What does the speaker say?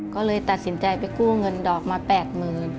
ก็เลยตัดสินใจไปกู้เงินดอกมาแปดหมื่น